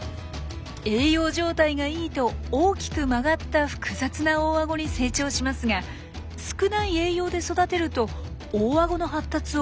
栄養状態がいいと大きく曲がった複雑な大アゴに成長しますが少ない栄養で育てると大アゴの発達を後回しにするんです。